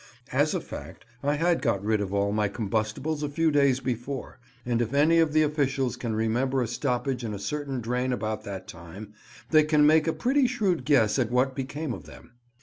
As a fact, I had got rid of all my combustibles a few days before; and if any of the officials can remember a stoppage in a certain drain about that time, they can make a pretty shrewd guess at what became of them.